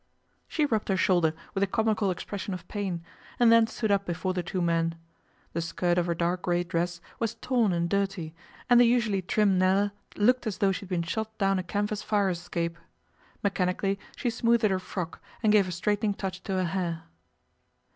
She rubbed her shoulder with a comical expression of pain, and then stood up before the two men. The skirt of her dark grey dress was torn and dirty, and the usually trim Nella looked as though she had been shot down a canvas fire escape. Mechanically she smoothed her frock, and gave a straightening touch to her hair.